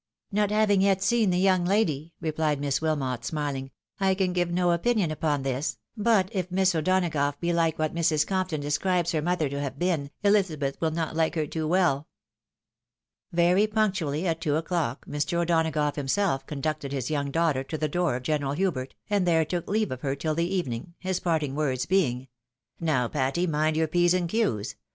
" Not having yet seen the young lady," rephed Miss Wilmot, smiling, " I can give no opinion upon this ; but, if Miss O'Donagough be like what Mrs. Compton describes her mother to have been, Ehzabeth wiU not like her too well." Very punctually at two o'clock Mr. O'Donagough himself conducted his young daughter to the door of General Hubert, and there took leave of her tUl the evening — his parting words being, " Now, Patty, mind your p's and q's.